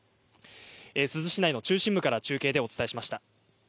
珠洲市内の中心から中継お伝えしました。